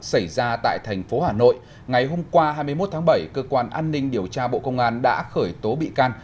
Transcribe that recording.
xảy ra tại thành phố hà nội ngày hôm qua hai mươi một tháng bảy cơ quan an ninh điều tra bộ công an đã khởi tố bị can